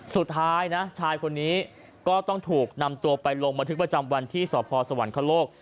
สุดท้ายนะชายคนนี้ก็ต้องถูกนำตัวไปลงบันทึกประจำวันที่สพสวรรคโลก